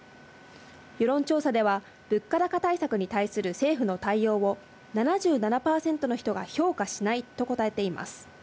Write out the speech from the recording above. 世論調査では、物価高対策に対する政府の対応を７７％の人が評価しないと答えています。